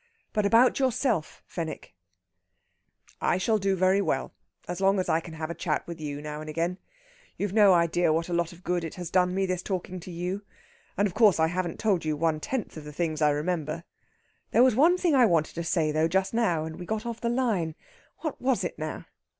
"But about yourself, Fenwick?" "I shall do very well, as long as I can have a chat with you now and again. You've no idea what a lot of good it has done me, this talking to you. And, of course, I haven't told you one tenth of the things I remember. There was one thing I wanted to say though just now, and we got off the line what was it now?